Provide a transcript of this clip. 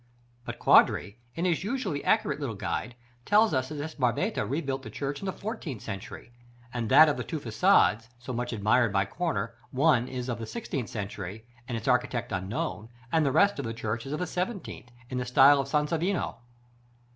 But Quadri, in his usually accurate little guide, tells us that this Barbetta rebuilt the church in the fourteenth century; and that of the two façades, so much admired by Corner, one is of the sixteenth century, and its architect unknown; and the rest of the church is of the seventeenth, "in the style of Sansovino."